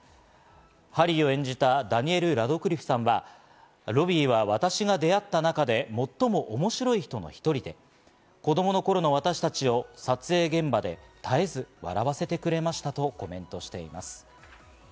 ハリーを演じたダニエル・ラドクリフさんはロビーは私が出会った中で、最も面白い人の一人で、子供の頃の私たちを撮影現場で絶えず笑わせてくれましたとコメントしています。